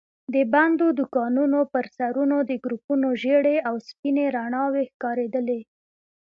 د بندو دوکانونو پر سرونو د ګروپونو ژېړې او سپينې رڼا وي ښکارېدلې.